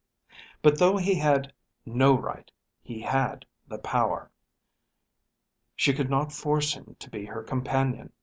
But though he had no right he had the power. She could not force him to be her companion.